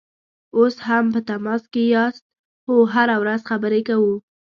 اوس هم په تماس کې یاست؟ هو، هره ورځ خبرې کوو